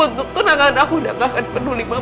untuk tunangan aku udah gak akan peduli mama